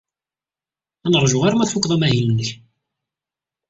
Ad neṛju arma tfuked amahil-nnek.